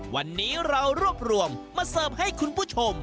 วันนี้เรารวบรวมมาเสิร์ฟให้คุณผู้ชม